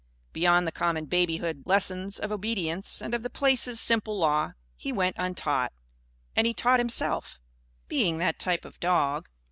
Beyond the common babyhood lessons of obedience and of the Place's simple Law, he went untaught. And he taught himself; being that type of dog.